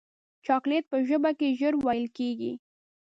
چاکلېټ په ژبه کې ژر ویلې کېږي.